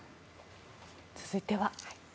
続いては。